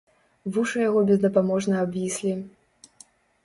Вушы яго бездапаможна абвіслі.